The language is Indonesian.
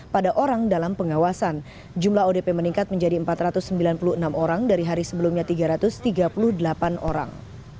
pada orang dalam pengawasan jumlah odp meningkat menjadi empat ratus sembilan puluh enam orang dari hari sebelumnya tiga ratus tiga puluh delapan orang